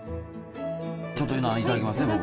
ちょっといただきますね僕。